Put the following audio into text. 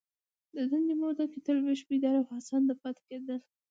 د دندي په موده کي تل ویښ ، بیداره او هڅانده پاته کیدل.